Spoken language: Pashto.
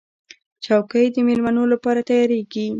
چوکۍ د مېلمنو لپاره تیارېږي.